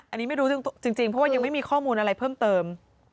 อันนี้ไม่รู้จริงเพราะว่ายังไม่มีข้อมูลอะไรเพิ่มเติม